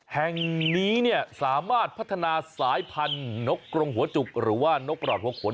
แห่งนี้สามารถพัฒนาสายพันธุ์นกกรงหัวจุกหรือว่านกประหลอดหัวขน